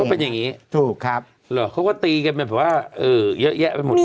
เป็นอย่างนี้ถูกครับเหรอเขาก็ตีกันแบบว่าเยอะแยะไปหมดเลย